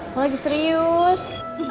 kau lagi serius